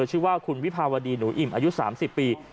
ชื่อว่าคุณวิภาวดีหนูอิ่มอายุ๓๐ปี